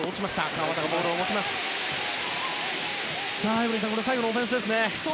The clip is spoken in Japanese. エブリンさん、最後のオフェンスですね。